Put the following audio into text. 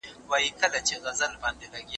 د ژوند حق ته په قرآن کي پاملرنه سوې.